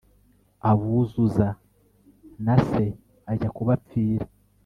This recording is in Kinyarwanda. abuzuza na se ajya kubapfira